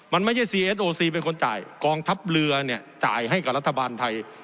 มันไม่ใช่ซีเอสโอซีเป็นคนจ่ายกองทัพเรือเนี่ยจ่ายให้กับรัฐบาลไทย